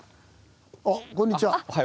あっこんにちは。